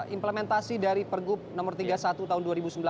implementasi dari pergub nomor tiga puluh satu tahun dua ribu sembilan belas